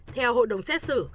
theo hội đồng xét xử